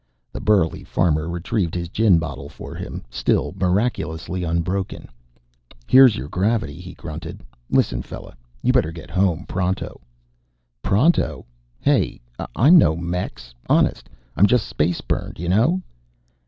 The burly farmer retrieved his gin bottle for him, still miraculously unbroken. "Here's your gravity," he grunted. "Listen, fella, you better get home pronto." "Pronto? Hey, I'm no Mex. Honest, I'm just space burned. You know?"